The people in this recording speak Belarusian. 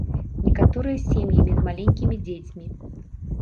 Некаторыя сем'ямі з маленькімі дзецьмі.